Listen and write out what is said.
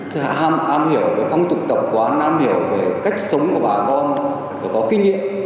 tôi am hiểu về phong trục tập quán am hiểu về cách sống của bà con và có kinh nghiệm